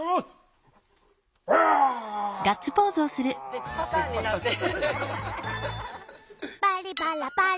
別パターンになってる。